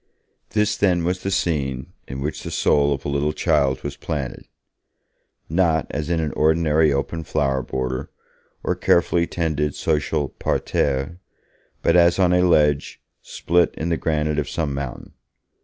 This, then, was the scene in which the soul of a little child was planted, not as in an ordinary open flower border or carefully tended social parterre, but as on a ledge, split in the granite of some mountain.